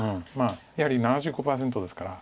やはり７５％ですから。